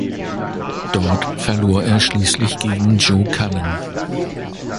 Dort verlor er schließlich gegen Joe Cullen.